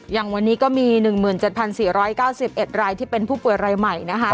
อย่างวันนี้ก็มี๑๗๔๙๑รายที่เป็นผู้ป่วยรายใหม่นะคะ